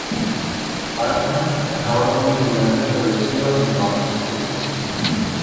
Batman es ahora un vigilante establecido en Gotham City.